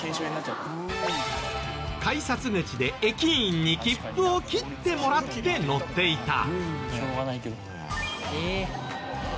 改札口で駅員に切符を切ってもらって乗っていた。